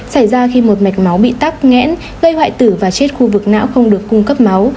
xảy ra khi một mạch máu bị tắc nghẽn gây hoại tử và chết khu vực não không được cung cấp máu